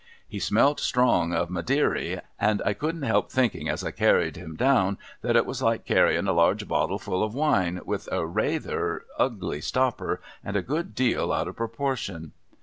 He smelt strong of Maideary, and I couldn't help thinking as I carried him down that it Avas like carrying a large bottle full of wine, with a rayther ugly stopj)er, a good deal out of pioportion.